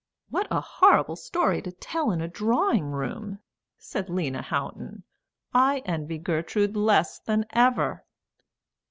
"What a horrible story to tell in a drawing room!" said Lena Houghton. "I envy Gertrude less than ever."